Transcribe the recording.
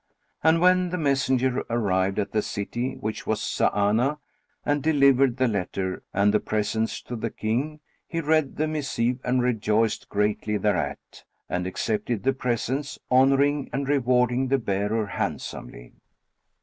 And when the messenger arrived at the city which was Sana'a and delivered the letter and the presents to the King, he read the missive and rejoiced greatly thereat and accepted the presents, honouring and rewarding the bearer handsomely.